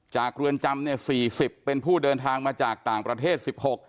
เรือนจำ๔๐เป็นผู้เดินทางมาจากต่างประเทศ๑๖